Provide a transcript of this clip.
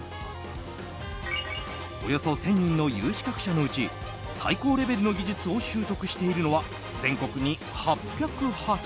およそ１０００人の有資格者のうち最高レベルの技術を習得しているのは全国に８０８人。